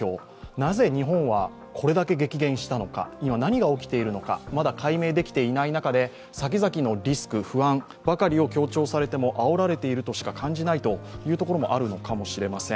なぜ、日本はこれだけ激減したのか今何が起きているのかまだ解明されていない中で、先々のリスク、不安ばかりを強調されてもあおられているとしか感じないというところもあるのかもしれません。